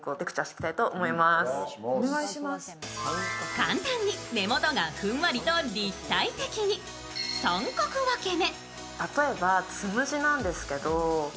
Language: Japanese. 簡単に根元がふんわりと立体的に三角分け目。